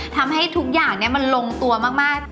ทำให้ทุกอย่างมันลงตัวมาก